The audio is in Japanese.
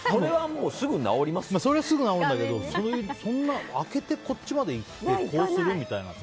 それはすぐ直るんだけど開けてこっちまでいってこうする？みたいな。